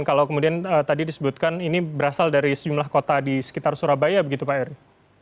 kalau kemudian tadi disebutkan ini berasal dari sejumlah kota di sekitar surabaya begitu pak eri